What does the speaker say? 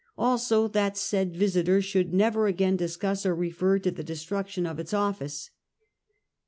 Also, that said Yisiter should never again discuss or refer to the de struction of its office.